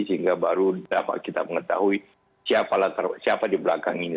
sehingga baru dapat kita mengetahui siapa di belakang ini